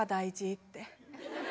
って。